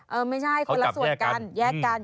เออไม่ใช่คนละส่วนกัน